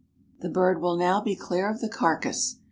The bird will now be clear of the carcass.